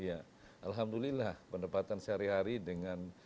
ya alhamdulillah pendapatan sehari hari dengan